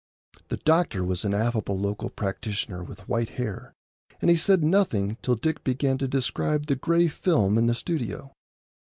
The doctor was an affable local practitioner with white hair, and he said nothing till Dick began to describe the gray film in the studio.